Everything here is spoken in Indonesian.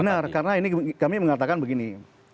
benar karena ini kami mengatakan begini